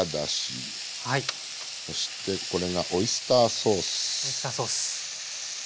そしてこれがオイスターソース。